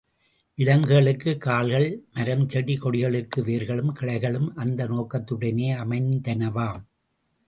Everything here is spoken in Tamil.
விலங்குகளுக்குக் கால்களும், மரம், செடி கொடிகளுக்கு வேர்களும் கிளைகளும் அந்த நோக்கத்துடனேயே அமைந்தனவாம்.